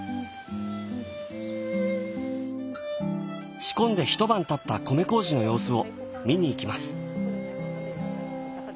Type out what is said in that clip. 仕込んで一晩たった米麹の様子を見に行きます。